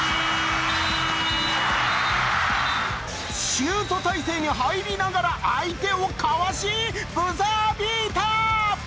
シュート体勢に入りながら相手をかわしブザービーター！